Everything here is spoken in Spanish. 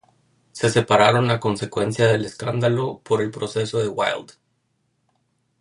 Se separaron a consecuencia del escándalo por el proceso de Wilde.